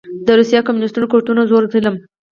د روسي او کميونسټو قوتونو زور ظلم